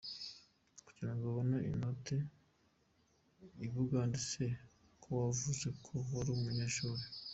Kugirango abone inote ibugande se kowavuze ko warumunyeshuri